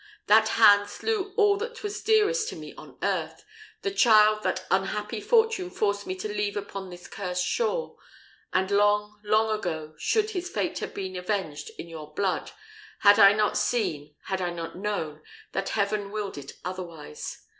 That hand slew all that was dearest to me on earth! the child that unhappy fortune forced me to leave upon this cursed shore; and long, long ago should his fate have been avenged in your blood, had not I seen, had not I known, that heaven willed it otherwise.